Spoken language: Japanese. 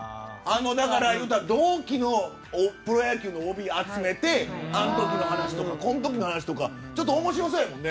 同期のプロ野球ＯＢを集めてあの時の話とかこの時の話とか面白そうやもんね。